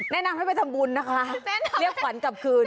แนะนำให้ไปทำบุญนะคะเรียกขวัญกลับคืน